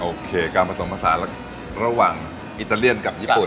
โอเคการผสมผสานระหว่างอิตาเลียนกับญี่ปุ่น